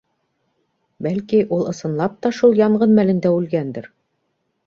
Бәлки, ул ысынлап та шул янғын мәлендә үлгәндер?..